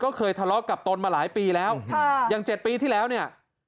ก็เคยทะเลาะกับตนมาหลายปีแล้วค่ะอย่าง๗ปีที่แล้วเนี่ย